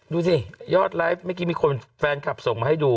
ดูสิยอดไลฟ์เมื่อกี้มีคนแฟนคลับส่งมาให้ดู